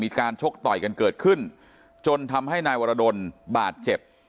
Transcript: ชกต่อยกันเกิดขึ้นจนทำให้นายวรดลบาดเจ็บ